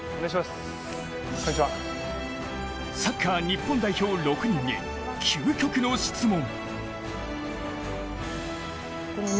サッカー日本代表６人に究極の質問。